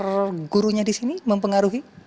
apa gurunya disini mempengaruhi